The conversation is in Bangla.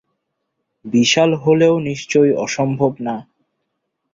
বিশাল হলেও নিশ্চয়ই অসম্ভব না?